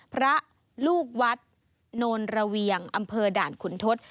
พระลูกวัดโนนระเวียงอำเภอด่านขุนทศ